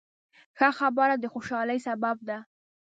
ښه خبره د خوشحالۍ سبب ده.